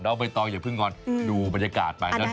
น้องเบยตองอย่าเพิ่งงอนดูบรรยากาศไปนะครับ